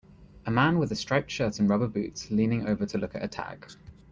A man with a striped shirt and rubber boots leaning over to look at a tag.